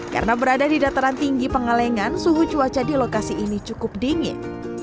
karena berada di dataran tinggi pengalengan suhu cuaca di lokasi ini cukup dingin